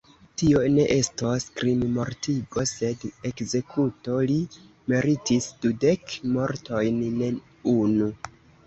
Tio ne estos krimmortigo, sed ekzekuto: li meritis dudek mortojn, ne unu.